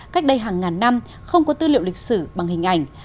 cách đây hàng ngàn năm không có tư liệu lịch sử bằng hình ảnh